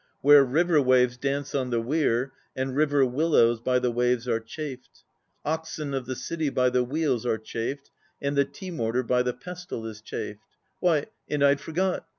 Where river waves dance on the weir And river willows by the waves are chafed; Oxen of the City by the wheels are chafed; And the tea mortar by the pestle is chafed. Why, and I'd forgot!